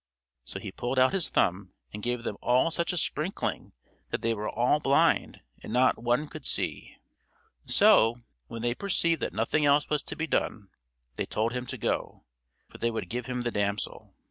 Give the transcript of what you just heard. So he pulled out his thumb and gave them all such a sprinkling that they were all blind, and not one could see. So, when they perceived that nothing else was to be done, they told him to go, for they would give him the damsel.